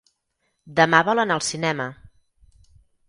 Demà vol anar al cinema.